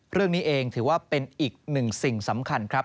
เรื่องนี้เองถือว่าเป็นอีกหนึ่งสิ่งสำคัญครับ